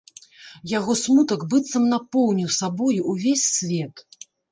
Яго смутак быццам напоўніў сабою ўвесь свет.